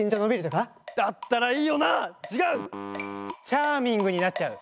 チャーミングになっちゃう？